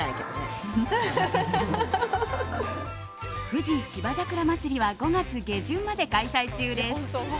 富士芝桜まつりは５月下旬まで開催中です。